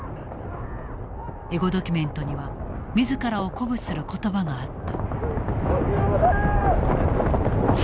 エゴドキュメントには自らを鼓舞する言葉があった。